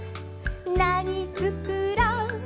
なにつくろう。